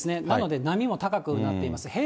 なので波も高くなっています。